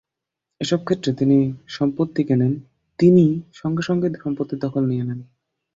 এসব ক্ষেত্রে যিনি সম্পত্তি কেনেন, তিনি সঙ্গে সঙ্গেই সম্পত্তির দখল নিয়ে নেন।